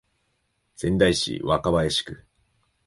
仙台市若林区